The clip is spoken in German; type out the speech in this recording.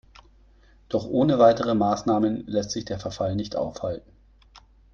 Doch ohne weitere Maßnahmen lässt sich der Verfall nicht aufhalten.